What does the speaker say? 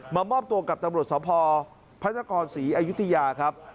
มอบตัวกับตำรวจสพพระนครศรีอยุธยาครับ